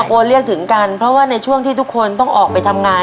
โอนเรียกถึงกันเพราะว่าในช่วงที่ทุกคนต้องออกไปทำงาน